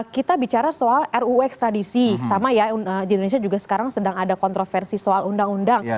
kita bicara soal ruu ekstradisi sama ya di indonesia juga sekarang sedang ada kontroversi soal undang undang